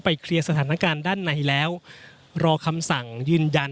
เคลียร์สถานการณ์ด้านในแล้วรอคำสั่งยืนยัน